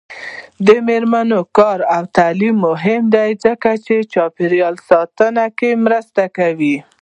د میرمنو کار او تعلیم مهم دی ځکه چې چاپیریال ساتنه کې مرسته کوي.